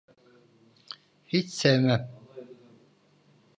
Hiç sevmem.